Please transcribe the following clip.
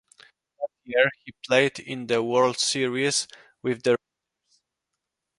That year he played in the World Series with the Rangers.